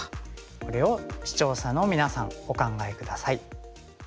これを視聴者のみなさんお考え下さい。